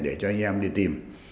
để cho anh em đi tìm